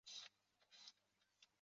在历史上曾多次改名。